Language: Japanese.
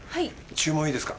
注文いいですか？